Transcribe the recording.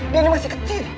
dia masih kecil